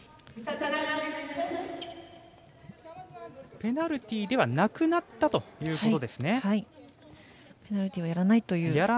ペナルティーではなくなったということですね。